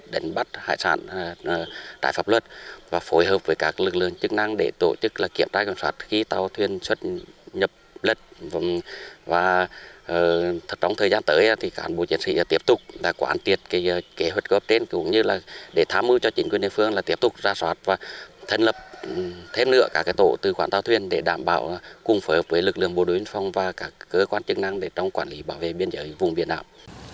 để thám ưu cho chính quyền địa phương là tiếp tục ra soát và thân lập thêm lựa các tổ tư quản tàu thuyền để đảm bảo cùng phối hợp với lực lượng bộ đối biên phòng và các cơ quan chức năng để trong quản lý bảo vệ biên giới vùng biển ảo